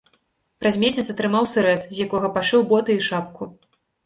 Праз месяц атрымаў сырэц, з якога пашыў боты і шапку.